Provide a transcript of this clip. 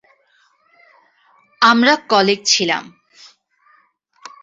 আমরা কলিগ ছিলাম।